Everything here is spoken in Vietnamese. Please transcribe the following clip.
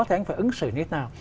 thì anh phải ứng xử như thế nào